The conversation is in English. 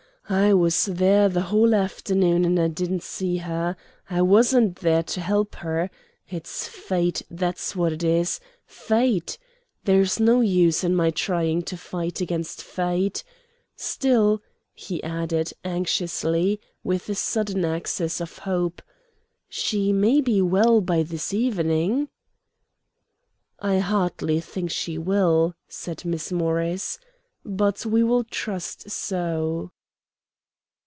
I was there the whole afternoon, and I didn't see her. I wasn't there to help her. It's Fate, that's what it is Fate! There's no use in my trying to fight against Fate. Still," he added, anxiously, with a sudden access of hope, "she may be well by this evening." "I hardly think she will," said Miss Morris, "but we will trust so."